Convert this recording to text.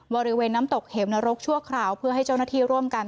บริเวณน้ำตกเหมนรกชั่วคราวเพื่อให้เจ้าหน้าที่ร่วมกัน